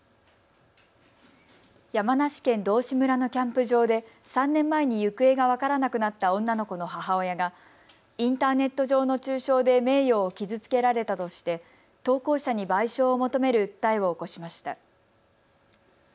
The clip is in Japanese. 山梨県道志村のキャンプ場で３年前に行方が分からなくなった女の子の母親がインターネット上の中傷で名誉を傷つけられたとして、投稿者に賠償を求める訴えを起こしました。